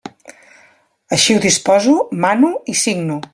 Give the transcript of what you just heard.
Així ho disposo, mano i signo.